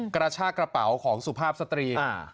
กระชากระเป๋าของสุภาพสตรี